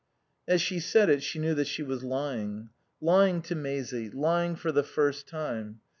As she said it she knew that she was lying. Lying to Maisie. Lying for the first time.